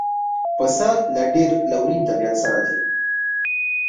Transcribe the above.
پسه له ډېر لورین طبیعت سره دی.